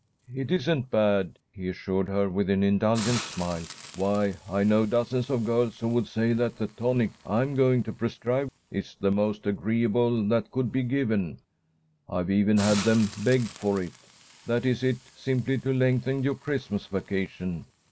"It isn't bad," he assured her, with an indulgent smile. "Why, I know dozens of girls who would say that the tonic I am going to prescribe is the most agreeable that could be given. I've even had them beg for it. This is it, simply to lengthen your Christmas vacation.